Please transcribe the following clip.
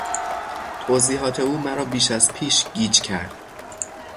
توضیحات او مرا بیش از پیش گیج کرد.